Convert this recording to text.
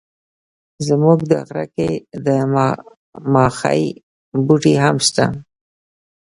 زموږ په غره کي د ماخۍ بوټي هم سته.